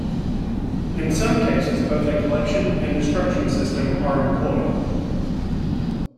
In some cases, both a collection and destruction system are employed.